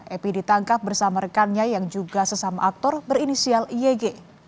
epi ditangkap bersama rekannya yang juga sesama aktor berinisial yg